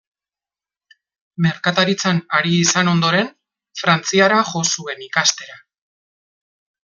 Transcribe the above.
Merkataritzan ari izan ondoren, Frantziara jo zuen ikastera.